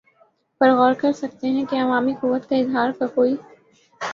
پر غور کر سکتے ہیں کہ عوامی قوت کے اظہار کا کوئی